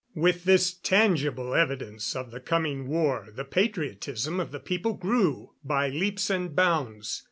With this tangible evidence of the coming war the patriotism of the people grew by leaps and bounds.